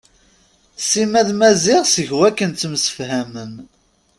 Sima d Maziɣ seg wakken ttemsefhamen.